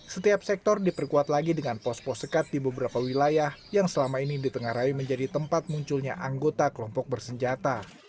setiap sektor diperkuat lagi dengan pos pos sekat di beberapa wilayah yang selama ini ditengarai menjadi tempat munculnya anggota kelompok bersenjata